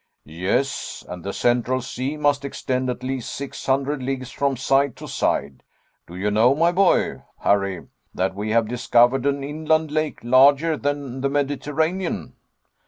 "Yes, and the Central Sea must extend at least six hundred leagues from side to side. Do you know, my boy, Harry, that we have discovered an inland lake larger than the Mediterranean?"